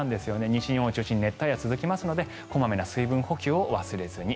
西日本中心に熱帯夜が続きますので小まめな水分補給を忘れずに。